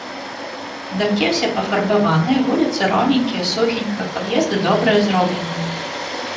Дамкі ўсе пафарбаваныя, вуліцы роўненькія, сухенька, пад'езды добрыя зроблены.